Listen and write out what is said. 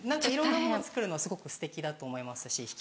いろんなもの作るのはすごくすてきだと思いますし。